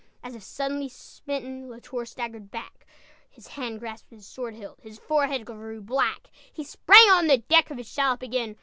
As if suddenly smitten La Tour staggered back; His hand grasped his sword hilt, His forehead grew black. He sprang on the deck Of his shallop again.